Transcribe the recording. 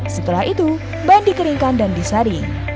setelah itu ban dikeringkan dan disaring